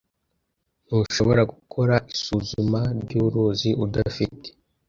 ntushoora gukora isuzuma ryuuuruzi udafite